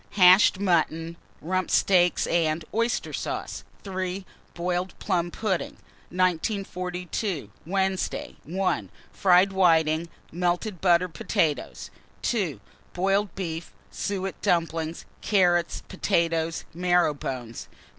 Hashed mutton, rump steaks and oyster sauce. 3. Boiled plum pudding. 1942. Wednesday. 1. Fried whitings, melted butter, potatoes. 2. Boiled beef, suet dumplings, carrots, potatoes, marrow bones.